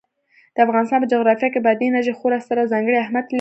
د افغانستان په جغرافیه کې بادي انرژي خورا ستر او ځانګړی اهمیت لري.